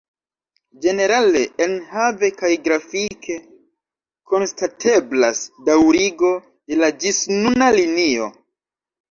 Ĝenerale enhave kaj grafike konstateblas daŭrigo de la ĝisnuna linio.